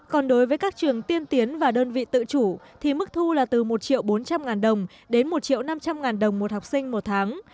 còn đối với các trường tiên tiến và đơn vị tự chủ thì mức thu là từ một bốn trăm linh đồng đến một năm trăm linh đồng một học sinh một tháng